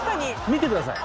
見てください。